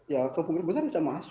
ya kebunuh besar bisa mas